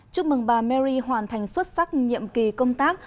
chúc mừng bà mary hoàn thành xuất sắc nhiệm kỳ công tác